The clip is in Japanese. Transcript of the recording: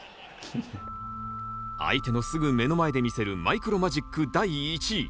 相手のすぐ目の前で見せるマイクロマジック第１位。